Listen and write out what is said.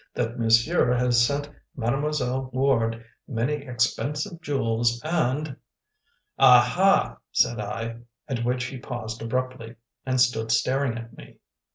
"That monsieur has sent Mademoiselle Ward many expensive jewels, and " "Aha!" said I, at which he paused abruptly, and stood staring at me.